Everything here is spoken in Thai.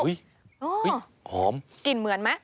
หอมกลิ่นเหมือนไหม